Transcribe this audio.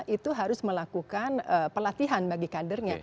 itu harus melakukan pelatihan bagi kadernya